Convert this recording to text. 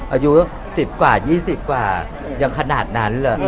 อายุสิบกว่ายี่สิบกว่ายังขนาดนั้นเหรอ